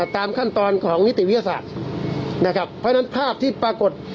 ตามขั้นตอนของนิติวิทยาศาสตร์นะครับเพราะฉะนั้นภาพที่ปรากฏ